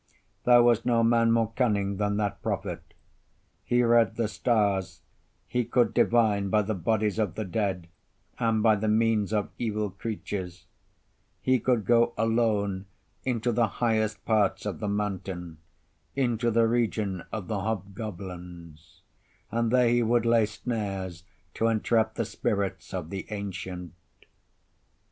There was no man more cunning than that prophet; he read the stars, he could divine by the bodies of the dead, and by the means of evil creatures: he could go alone into the highest parts of the mountain, into the region of the hobgoblins, and there he would lay snares to entrap the spirits of the ancient.